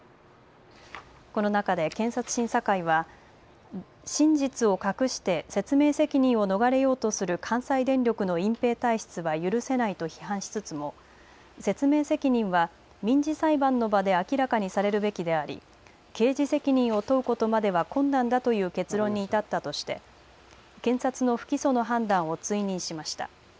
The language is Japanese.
この中で検察審査会は真実を隠して説明責任を逃れようとする関西電力の隠蔽体質は許せないと批判しつつも説明責任は民事裁判の場で明らかにされるべきであり刑事責任を問うことまでは困難だという結論に至ったとして検察の不起訴の判断を追認しました。